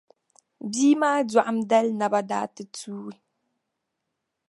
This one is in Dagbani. bia maa dɔɣim dali naba daa ti tuui.